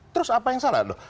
terus apa yang salah